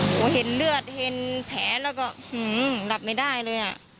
เห็นเลือดเห็นแผลแล้วก็หลับไม่ได้เลย